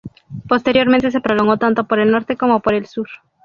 Posteriormente se prolongó tanto por el norte como por el sur.